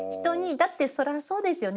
だってそれはそうですよね。